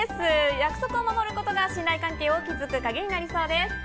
約束を守ることが信頼関係を築くカギになりそうです。